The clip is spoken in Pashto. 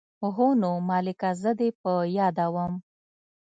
هو نو مالې که زه دې په ياده وم.